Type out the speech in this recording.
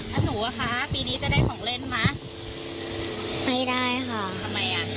แล้วหนูอะคะปีนี้จะได้ของเล่นไหมไม่ได้ค่ะทำไมอ่ะ